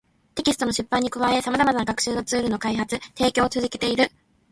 テキストの出版に加え、様々な学習ツールの開発・提供を続けている